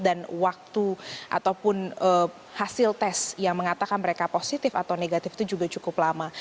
dan waktu ataupun hasil tes yang mengatakan mereka positif atau negatif itu juga cukup lama